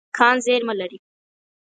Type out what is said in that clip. کان زیرمه لري.